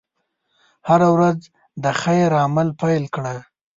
هره ورځ د خیر عمل پيل کړه.